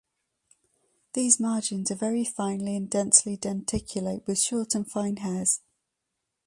These margins are very finely and densely denticulate with short and fine hairs.